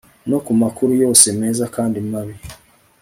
no ku makuru yose meza kandi mabi